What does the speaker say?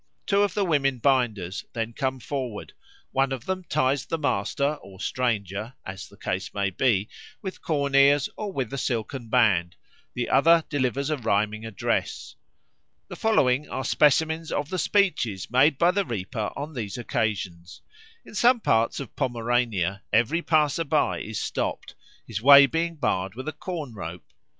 Two of the women binders then come forward; one of them ties the master or stranger (as the case may be) with corn ears or with a silken band; the other delivers a rhyming address. The following are specimens of the speeches made by the reaper on these occasions. In some parts of Pomerania every passer by is stopped, his way being barred with a corn rope.